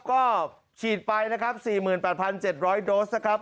ก็ฉีดไปนะครับ๔๘๗๐๐โดสนะครับ